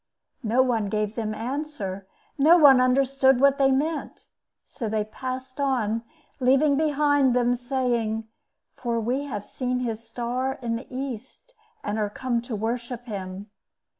No one gave them answer—no one understood what they meant; so they passed on, leaving behind them this saying: 'For we have seen his star in the east, and are come to worship him.